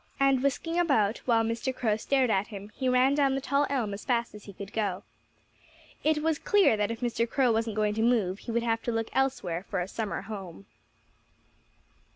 And whisking about, while Mr. Crow stared at him, he ran down the tall elm as fast as he could go. It was clear that if Mr. Crow wasn't going to move he would have to look elsewhere for a summer home.